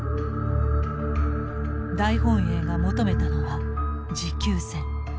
大本営が求めたのは持久戦。